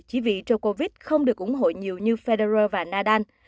chỉ vì djokovic không được ủng hộ nhiều như federer và nadal